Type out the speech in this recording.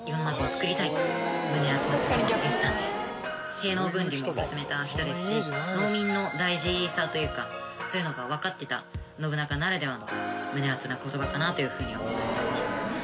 兵農分離も進めた人ですし農民の大事さというかそういうのがわかってた信長ならではの胸アツな言葉かなというふうに思いますね。